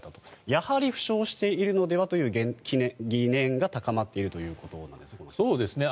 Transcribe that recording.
やはり負傷しているのではという疑念が高まっているということなんです。